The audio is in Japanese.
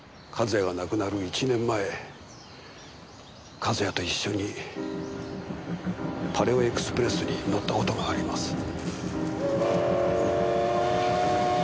和也が亡くなる１年前和也と一緒にパレオエクスプレスに乗った事があります。